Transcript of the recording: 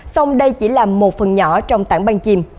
xong đây chỉ là một phần nhỏ trong tảng băng chim